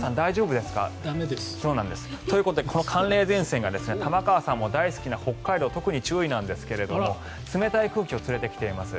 駄目です。ということでこの寒冷前線が玉川さんも大好きな北海道、特に注意なんですが冷たい空気を連れてきています。